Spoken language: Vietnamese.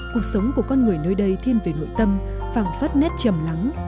cuộc sống của con người nơi đây thiên về nội tâm phàng phát nét chầm lắng